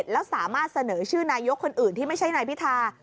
แล้วสามารถเสนอชื่อนายกคนอื่นที่ไม่ใช่นายพิธา